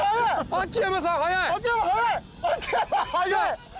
秋山速い！